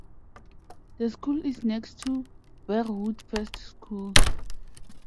The school is next to Verwood First School.